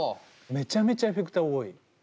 めちゃめちゃエフェクター多い。